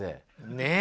ねえ。